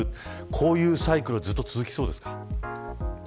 こういうサイクルはずっと続きそうですか。